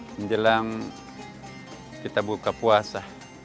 menjelang kita buka puasa